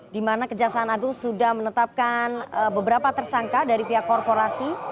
di mana kejaksaan agung sudah menetapkan beberapa tersangka dari pihak korporasi